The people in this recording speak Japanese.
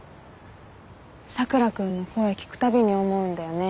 佐倉君の声聞くたびに思うんだよね。